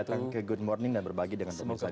datang ke good morning dan berbagi dengan teman teman